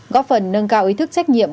góp phần nâng cao ý thức trách nhiệm